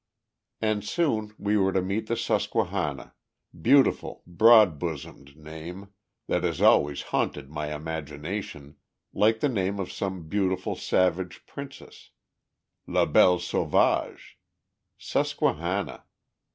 And soon we were to meet the Susquehanna beautiful, broad bosomed name, that has always haunted my imagination like the name of some beautiful savage princess La belle sauvage. Susquehanna!